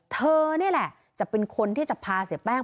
เธอนี่แหละจะเป็นคนที่จะพาเสียแป้ง